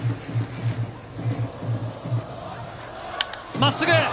真っすぐ！